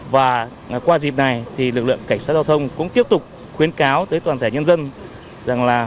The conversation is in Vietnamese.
và qua dịp này lực lượng cảnh sát giao thông cũng tiếp tục khuyến cáo tới toàn thể nhân dân